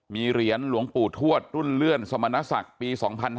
มีเหรียญหลวงปู่ทวดรุ่นเลื่อนสมณศักดิ์ปี๒๕๕๙